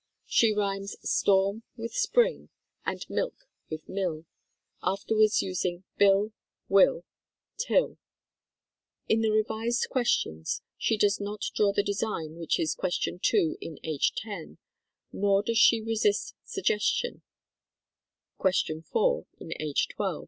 She rhymes "storm" with "spring," and "milk" with "mill," afterwards using "bill," "will," "till." In the revised questions, she does not draw the design which is Question 2 in age 10, nor does she resist sug gestion, Question 4 in age 12.